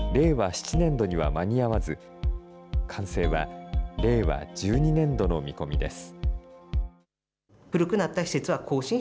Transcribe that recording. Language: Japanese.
７年度には間に合わず、完成は令和１２年度の見込みです。